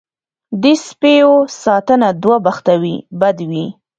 دې سپیو ساتنه دوه بخته وي بد وي.